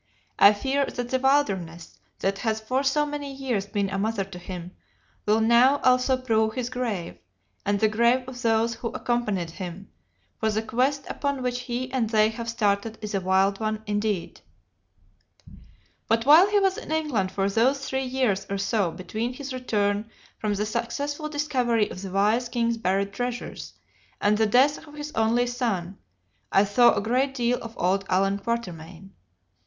I fear that the wilderness, that has for so many years been a mother to him, will now also prove his grave and the grave of those who accompanied him, for the quest upon which he and they have started is a wild one indeed. But while he was in England for those three years or so between his return from the successful discovery of the wise king's buried treasures, and the death of his only son, I saw a great deal of old Allan Quatermain.